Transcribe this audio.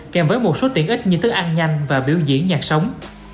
kèm với một số tiện ích như thức ăn nhanh và biểu diễn nhạc sống